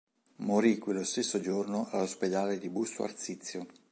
Morì quello stesso giorno all'Ospedale di Busto Arsizio.